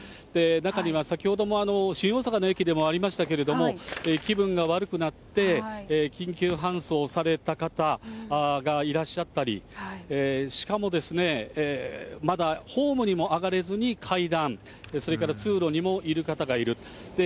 中には、先ほども新大阪の駅でもありましたけれども、気分が悪くなって、緊急搬送された方がいらっしゃったり、しかも、まだホームにも上がれずに階段、それから通路にもいる方がいる。